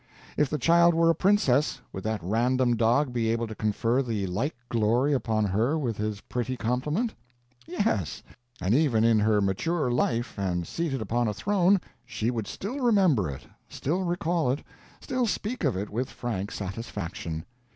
If the child were a princess, would that random dog be able to confer the like glory upon her with his pretty compliment? Yes; and even in her mature life and seated upon a throne, she would still remember it, still recall it, still speak of it with frank satisfaction.